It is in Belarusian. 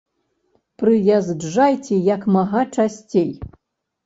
Прыязджайце як мага часцей.